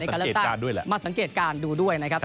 ก็เหมือนมาสังเกตการดูด้วยนะครับ